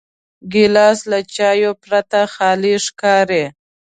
ګیلاس د چایو پرته خالي ښکاري.